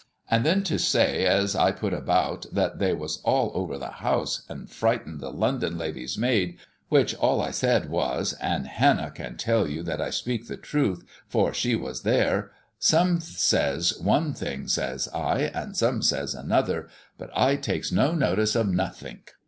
And then to say as I put about that they was all over the house, and frighten the London lady's maid, which all I said was and Hann can tell you that I speak the truth, for she was there 'some says one thing,' says I, 'and some says another, but I takes no notice of nothink.'